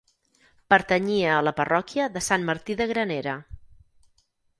Pertanyia a la parròquia de Sant Martí de Granera.